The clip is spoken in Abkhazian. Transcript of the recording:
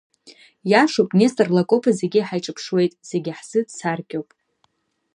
Иашоуп, Нестор Лакоба зегьы ҳаиҿыԥшуеит, зегьы ҳзы дсаркьоуп…